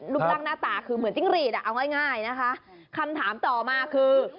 รูปร่างหน้าตาคือเหมือนจิ้งหรีดอ่ะเอาง่ายนะคะคำถามต่อมาคือ